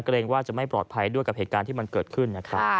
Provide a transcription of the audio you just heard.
เกรงว่าจะไม่ปลอดภัยด้วยกับเหตุการณ์ที่มันเกิดขึ้นนะครับ